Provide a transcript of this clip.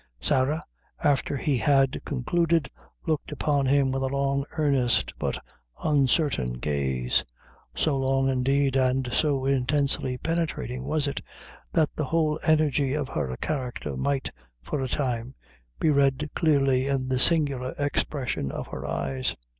Sarah, after he had concluded, looked upon him with a long, earnest, but uncertain gaze; so long, indeed, and so intensely penetrating was it, that the whole energy of her character might, for a time, be read clearly in the singular expression of her eyes.